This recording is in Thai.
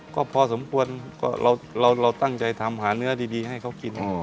ก็พอสมควรก็เราตั้งใจทำหาเนื้อดีให้เขากิน